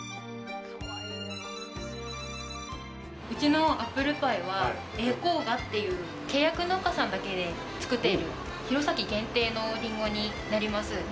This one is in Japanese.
うちのアップルパイは栄黄雅という契約農家さんだけで作っている弘前限定のリンゴになります。